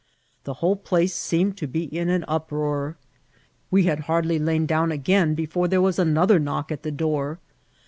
The whole place seemed to be in an uproar. We had hardly lain down again before there was another knock at the door.